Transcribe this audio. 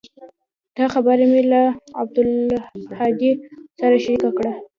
دا خبره مې له عبدالهادي سره شريکه کړه.